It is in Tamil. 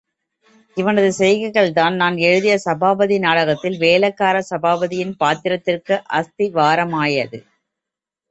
இவனது செய்கைகள்தான், நான் எழுதிய சபாபதி நாடகத்தில், வேலைக்கார சபாபதியின் பாத்திரத்திற்கு அஸ்திவாரமாயது.